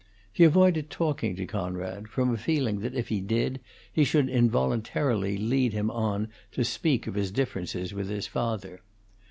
He avoided talking to Conrad, from a feeling that if he did he should involuntarily lead him on to speak of his differences with his father.